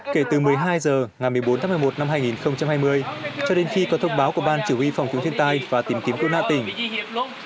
kể từ một mươi hai h ngày một mươi bốn tháng một mươi một năm hai nghìn hai mươi cho đến khi có thông báo của ban chủ y phòng chống thiên tai và tìm kiếm cơ nạ tỉnh